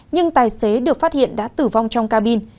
nhưng tài xế được phát hiện đã tử vong trong cabin